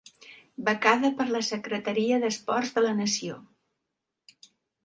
Becada per la Secretaria d'Esports de la Nació.